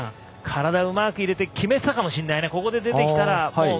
体をうまく入れて決めてたかもしれないね。